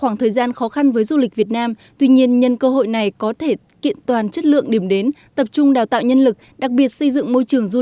ngành du lịch việt nam ước tính sẽ phải chịu thiệt hại từ khoảng sáu đến bảy bảy tỷ usd